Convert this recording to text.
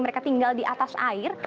mereka tinggal di atas air